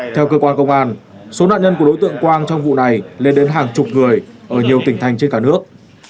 theo cơ quan công an số nạn nhân của đối tượng quang trong vụ này lên đến hàng chục người ở nhiều tỉnh thành trên cả nước